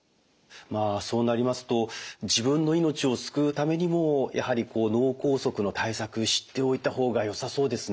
まあそうなりますと自分の命を救うためにもやはり脳梗塞の対策知っておいた方がよさそうですね。